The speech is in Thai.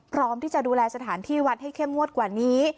พร้อมที่จะดูแลสถานที่วัดให้เข้มงวดกว่านี้